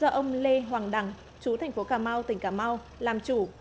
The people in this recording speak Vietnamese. do ông lê hoàng đẳng chú tp cà mau tỉnh cà mau làm chủ